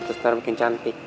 terus nara makin cantik